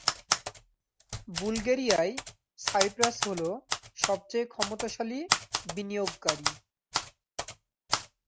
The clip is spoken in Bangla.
বুলগেরিয়ায় সাইপ্রাস হলো সবচেয়ে ক্ষমতাশালী বিনিযৈাগকারী।